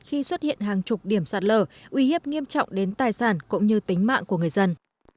khi xuất hiện hàng chục điểm sạt lở uy hiếp nghiêm trọng đến tài sản cũng như tính mạng của người dân